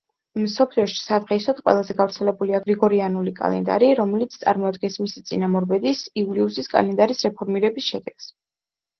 მსოფლიოში სადღეისოდ ყველაზე გავრცელებულია გრიგორიანული კალენდარი, რომელიც წარმოადგენს მისი წინამორბედის, იულიუსის კალენდარის რეფორმირების შედეგს.